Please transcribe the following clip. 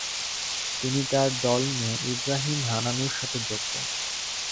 তিনি তার দল নিয়ে ইবরাহিম হানানুর সাথে যোগ দেন।